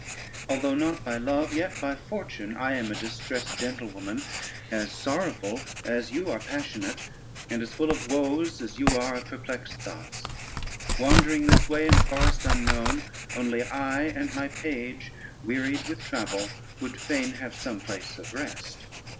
Although not by love, yet by fortune, I am a distressed gentlewoman, as sorrowful as you are passionate, and as full of woes as you of perplexed thoughts. Wandering this way in a forest unknown, only I and my page, wearied with travel, would fain have some place of rest.